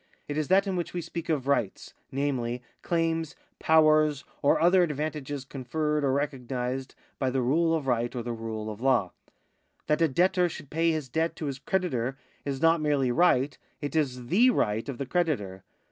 It is that in which we speak of rights, namely, claims, powers, or other advantages conferred or recognised by the rule of right or the rule of law. That a debtor should pay his debt to his creditor is not merely right, it is the right of the creditor.